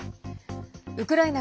ウクライナ